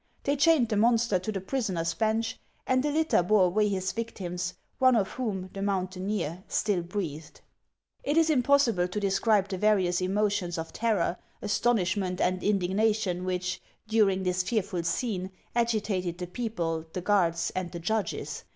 They chained the monster to the prisoner's bench ; and a litter bore away his victims, one of whom, the mountaineer, still breathed. It is impossible to describe the various emotions of terror, astonishment, and indignation which, during this fearful scene, agitated the people, the guards, and the judges.